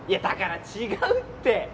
だから違うって。